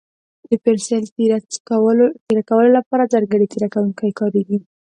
د پنسل تېره کولو لپاره ځانګړی تېره کوونکی کارېږي.